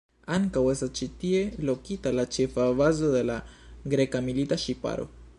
Ankaŭ estas ĉi tie lokita la ĉefa bazo de la greka milita ŝiparo.